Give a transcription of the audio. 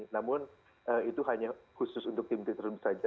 namun itu hanya khusus untuk tim t serv saja